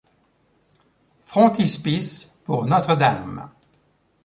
Frontispice pour Notre-Dame.